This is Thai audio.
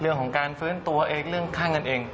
เรื่องของการฟื้นตัวเองเรื่องค่าเงินเอง